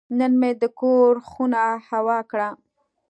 نن مې د کور خونه هوا کړه.